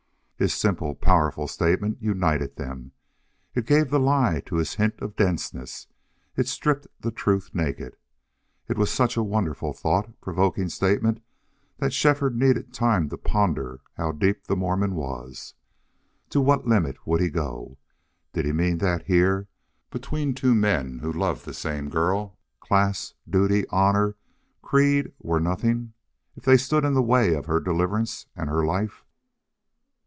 His simple, powerful statement united them; it gave the lie to his hint of denseness; it stripped the truth naked. It was such a wonderful thought provoking statement that Shefford needed time to ponder how deep the Mormon was. To what limit would he go? Did he mean that here, between two men who loved the same girl, class, duty, honor, creed were nothing if they stood in the way of her deliverance and her life?